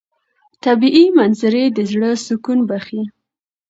طبیعي منظرې د زړه سکون بښي.